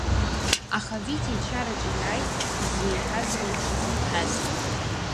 Аха Витиа ичараҿы иааит, изеиҳәаз реиԥш, изеимҳәазгьы.